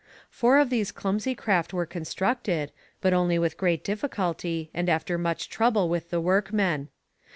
Four of these clumsy craft were constructed, but only with great difficulty, and after much trouble with the workmen.